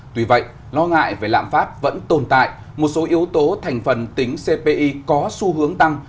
tuy vậy lo ngại về lạm phát vẫn tồn tại một số yếu tố thành phần tính cpi có xu hướng tăng